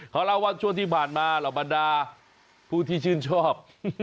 เขาเล่าว่าช่วงที่ผ่านมาเหล่าบรรดาผู้ที่ชื่นชอบ